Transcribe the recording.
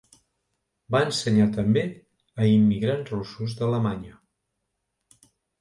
Va ensenyar també a immigrants russos d'Alemanya.